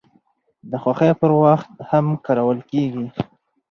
د خوښۍ پر وخت هم کارول کیږي.